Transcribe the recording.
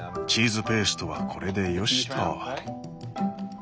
チーズペーストはこれでよしと。